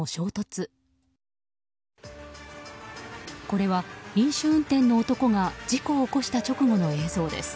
これは飲酒運転の男が事故を起こした直後の映像です。